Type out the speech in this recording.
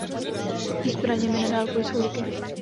Zbraněmi na dálku jsou luky.